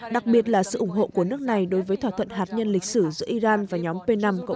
đặc biệt là sự ủng hộ của nước này đối với thỏa thuận hạt nhân lịch sử giữa iran và nhóm p năm có